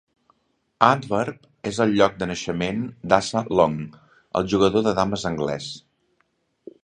Antwerp és el lloc de naixement d'Asa Long, el jugador de dames anglès.